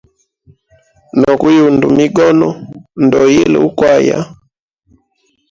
No kuyunda migono, ndoyile ukwaya.